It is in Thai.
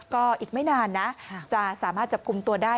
ก็อีกไม่นานนะจะสามารถจับกลุ่มตัวได้